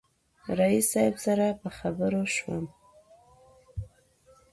رئیس صاحب سره په خبرو شوم.